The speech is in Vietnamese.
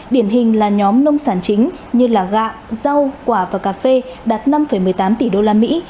điển hình là nhóm nông sản chính như gạo rau quả và cà phê đạt năm một mươi tám tỷ đô la mỹ